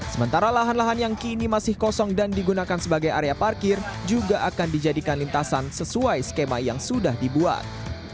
sementara lahan lahan yang kini masih kosong dan digunakan sebagai area parkir juga akan dijadikan lintasan sesuai skema yang sudah dibuat